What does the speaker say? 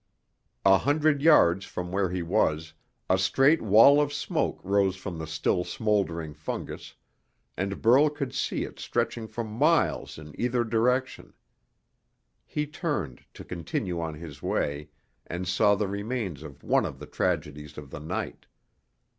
A hundred yards from where he was, a straight wall of smoke rose from the still smouldering fungus, and Burl could see it stretching for miles in either direction. He turned to continue on his way, and saw the remains of one of the tragedies of the night.